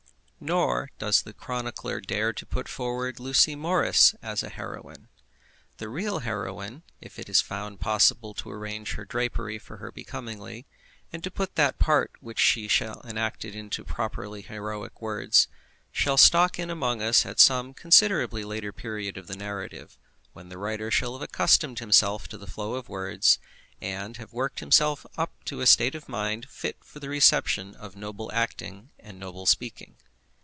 Nor does the chronicler dare to put forward Lucy Morris as a heroine. The real heroine, if it be found possible to arrange her drapery for her becomingly, and to put that part which she enacted into properly heroic words, shall stalk in among us at some considerably later period of the narrative, when the writer shall have accustomed himself to the flow of words, and have worked himself up to a state of mind fit for the reception of noble acting and noble speaking.